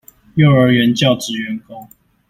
幼兒園教職員工